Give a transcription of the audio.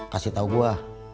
kasih tau gue